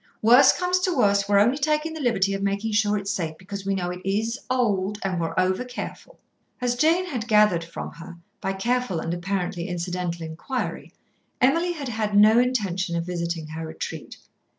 Worst comes to worst, we're only taking the liberty of making sure it's safe, because we know it is old and we're over careful." As Jane had gathered from her, by careful and apparently incidental inquiry, Emily had had no intention of visiting her retreat.